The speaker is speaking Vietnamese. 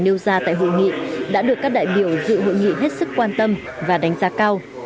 nêu ra tại hội nghị đã được các đại biểu dự hội nghị hết sức quan tâm và đánh giá cao